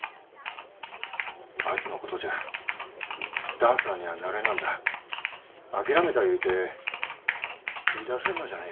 あいつのことじゃダンサーにゃあなれなんだ諦めたいうて言い出せんのじゃねえ